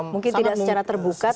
mungkin tidak secara terbuka